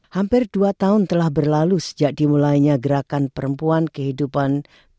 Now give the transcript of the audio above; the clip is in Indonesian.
hampir dua tahun telah berlalu sejak dimulainya gerakan perempuan kehidupan